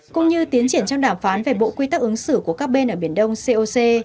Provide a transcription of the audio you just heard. cũng như tiến triển trong đàm phán về bộ quy tắc ứng xử của các bên ở biển đông coc